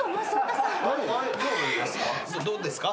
どうですか？